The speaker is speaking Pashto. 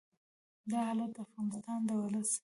دا حالت د افغانستان د ولس